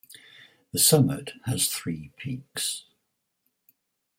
The summit has three peaks.